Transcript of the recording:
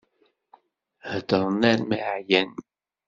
Heddren armi εyan.